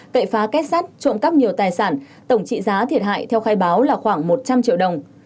cậy phá kết sắt trộm cắp nhiều tài sản tổng trị giá thiệt hại theo khai báo là khoảng một trăm linh triệu đồng